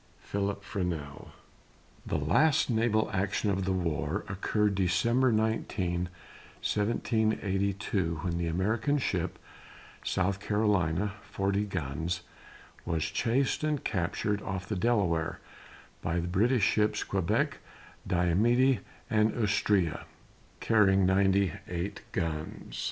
PHILIP FRENEAU. The last naval action of the war occurred December 19, 1782, when the American ship, South Carolina, forty guns, was chased and captured, off the Delaware, by the British ships Quebec, Diomede, and Astrea, carrying ninety eight guns.